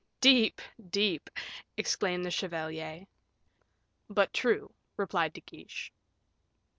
"Deep! deep!" exclaimed the chevalier. "But true," replied De Guiche.